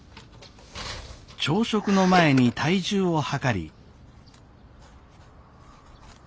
朝食の前に体重を量り。